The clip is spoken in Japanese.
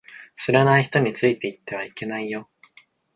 知らない人についていってはいけないよ